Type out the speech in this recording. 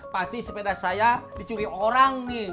pasti sepeda saya dicuri orang nih